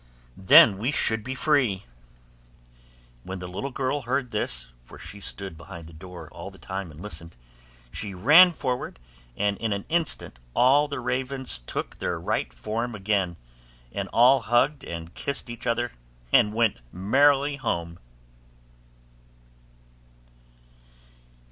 then we should be free.' When the little girl heard this (for she stood behind the door all the time and listened), she ran forward, and in an instant all the ravens took their right form again; and all hugged and kissed each other, and went merrily home.